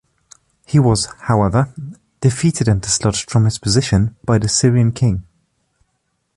He was, however, defeated and dislodged from his position by the Syrian king.